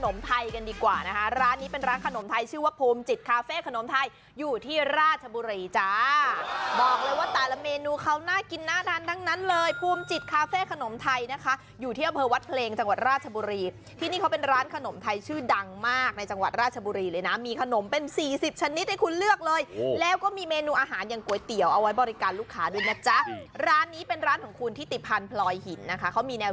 ขนมไทยกันดีกว่านะคะร้านนี้เป็นร้านขนมไทยชื่อว่าภูมิจิตคาเฟ่ขนมไทยอยู่ที่ราชบุรีจ้าบอกเลยว่าแต่ละเมนูเขาน่ากินน่าทานทั้งนั้นเลยภูมิจิตคาเฟ่ขนมไทยนะคะอยู่ที่อเภอวัดเพลงจังหวัดราชบุรีที่นี่เขาเป็นร้านขนมไทยชื่อดังมากในจังหวัดราชบุรีเลยนะมีขนมเป็นสี่สิบชนิดให้คุณเลือกเลยแล